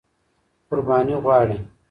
قرباني غواړي.